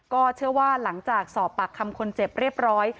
ก็เชื่อว่าหลังจากสอบปากคำคนเจ็บเรียบร้อย